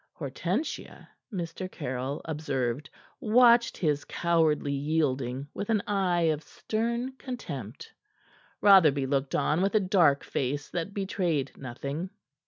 Hortensia, Mr. Caryll observed, watched his cowardly yielding with an eye of stern contempt. Rotherby looked on with a dark face that betrayed nothing.